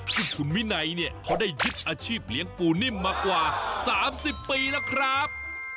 ซึ่งคุณวินัยเนี่ยเขาได้ยึดอาชีพเลี้ยงปูนิ่มมากว่า๓๐ปีแล้วครับ